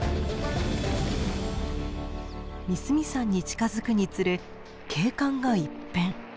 ミスミ山に近づくにつれ景観が一変。